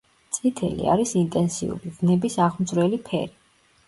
წითელი არის ინტენსიური, ვნების აღმძვრელი ფერი.